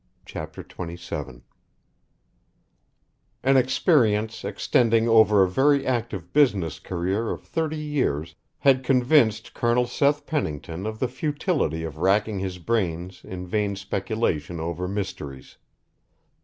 CHAPTER XVII An experience extending over a very active business career of thirty years had convinced Colonel Seth Pennington of the futility of wracking his brains in vain speculation over mysteries.